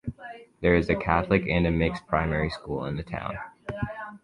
There is a Catholic and a mixed primary school in the town.